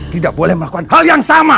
tidak boleh melakukan hal yang sama